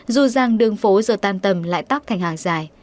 dù rằng đường phố giờ tan tầm lại tóc thành hàng dài